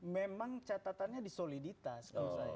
memang catatannya disoliditas